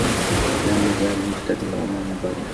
لازال محتفل الغمام الباكر